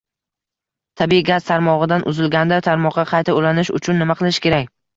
Tabiiy gaz tarmog‘idan uzilganda tarmoqqa qayta ulanish uchun nima qilish kerak?